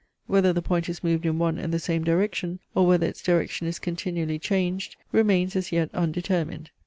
Whether the point is moved in one and the same direction, or whether its direction is continually changed, remains as yet undetermined.